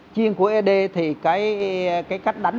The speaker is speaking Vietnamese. chiên của ấy đế thì cái cách đánh